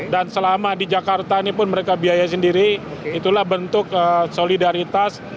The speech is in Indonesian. dan selama di jakarta ini pun mereka biaya sendiri itulah bentuk solidaritas